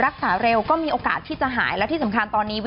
ใกล้ที่หายไปแล้ว